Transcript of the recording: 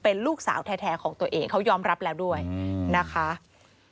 โปรดติดตามต่างกรรมโปรดติดตามต่างกรรม